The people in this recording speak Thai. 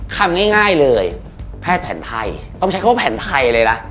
คำง่ายเลยแพทย์แผนไทยต้องใช้คำว่าแผนไทยเลยนะ